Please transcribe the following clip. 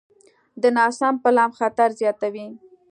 د ناسم پلان خطر زیاتوي.